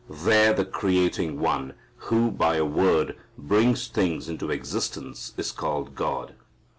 There the creating One, who, by a word, brings things into existence is called God.